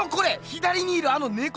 左にいるあの猫！